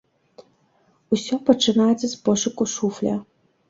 Усё пачынаецца з пошуку шуфля.